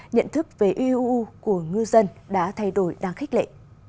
nhận thức về uuu của ngư dân đã thay đổi đáng khích lệ